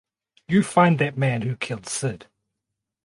You find that man who killed Sid.